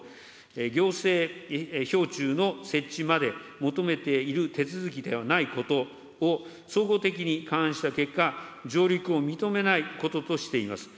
行政標柱の設置まで求めている手続きではないことを、総合的に勘案した結果、上陸を認めないこととしています。